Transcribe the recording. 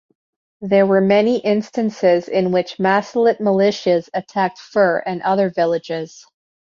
There were many instances in which Masalit militias attacked Fur and other villages.